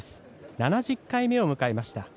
７０回目を迎えました。